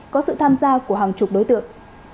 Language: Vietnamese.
có sự tham gia của hàng chục đối tượng